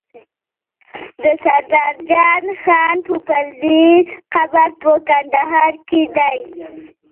د سردار جان خان پوپلزی قبر په کندهار کی دی